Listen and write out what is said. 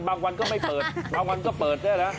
วันก็ไม่เปิดบางวันก็เปิดด้วยนะ